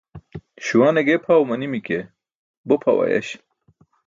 Śuwa ne ge pʰaw manimi ke, bo pʰaw ayaś.